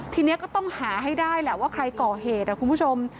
ทีนี้ก็ต้องหาให้ได้แหละว่าใครก่อเหตุคุณผู้ชม